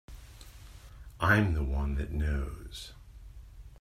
I'm the one that knows.